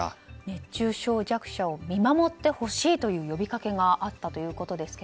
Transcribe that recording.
熱中症弱者を見守ってほしいという呼びかけがあったということですが。